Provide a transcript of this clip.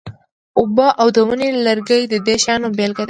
اوبه او د ونې لرګي د دې شیانو بیلګې دي.